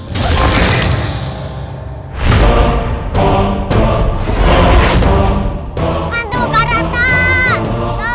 sampai jumpa di video selanjutnya